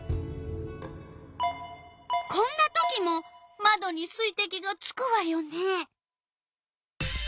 こんなときもまどに水てきがつくわよね。